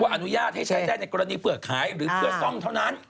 อนุญาตให้ใช้ได้ในกรณีเผื่อขายหรือเพื่อซ่อมเท่านั้น